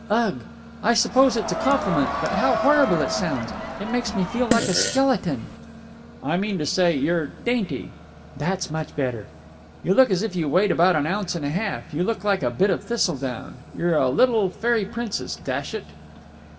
"Ugh! I suppose it's a compliment, but how horrible it sounds! It makes me feel like a skeleton." "I mean to say, you're you're dainty!" "That's much better." "You look as if you weighed about an ounce and a half. You look like a bit of thistledown! You're a little fairy princess, dash it!"